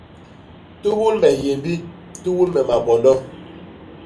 Tubul me hyémbi; tubul me mapondo.